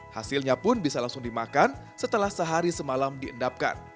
hasilnya pun bisa langsung dimakan setelah sehari semalam diendapkan